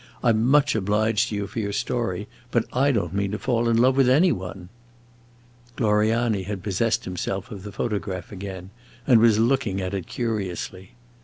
"I 'm much obliged to you for your story, but I don't mean to fall in love with any one." Gloriani had possessed himself of the photograph again, and was looking at it curiously.